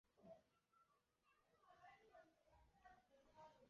蛋白质是由特定氨基酸生成的多肽序列折叠而成。